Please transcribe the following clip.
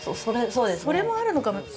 それもあるのかも。